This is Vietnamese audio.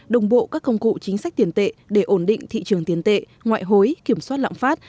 đồng bộ các công cụ chính sách tiền tệ để ổn định thị trường tiền tệ ngoại hối kiểm soát lạm phát